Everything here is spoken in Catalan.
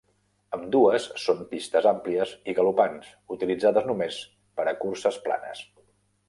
Ambdues són pistes àmplies i galopants, utilitzades només per a curses planes.